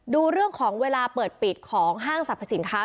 ดูเรื่องของเวลาเปิดปิดของห้างสรรพสินค้า